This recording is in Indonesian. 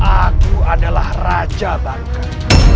aku adalah raja barukan